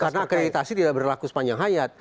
karena akreditasi tidak berlaku sepanjang hayat